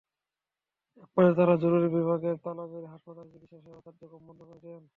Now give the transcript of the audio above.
একপর্যায়ে তাঁরা জরুরি বিভাগে তালা মেরে হাসপাতালের চিকিৎসাসেবা কার্যক্রম বন্ধ করে দেন।